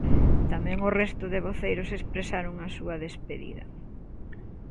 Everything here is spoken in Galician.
Tamén o resto de voceiros expresaron a súa despedida.